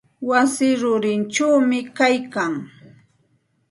Wasi rurichawmi kaylkan.